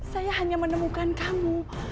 saya hanya menemukan kamu